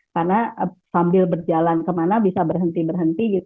karena sambil berjalan kemana bisa berhenti berhenti